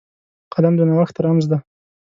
قلم د نوښت رمز دی